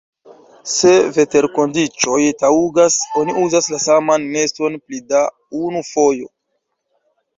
Se veterkondiĉoj taŭgas, oni uzas la saman neston pli da unu fojo.